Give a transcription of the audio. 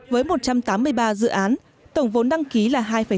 với một trăm tám mươi ba dự án tổng vốn đăng ký là hai tám mươi sáu tỷ usd